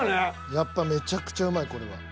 やっぱめちゃくちゃうまいこれは。